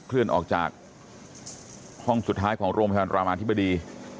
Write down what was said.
เลื่อนออกจากห้องสุดท้ายของโรงพยาบาลรามาธิบดี